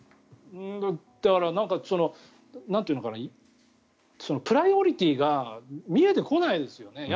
だからプライオリティーが見えてこないですよね。